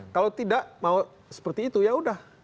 kalau tidak mau seperti itu ya udah